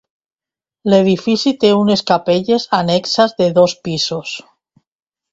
L'edifici té unes capelles annexes de dos pisos.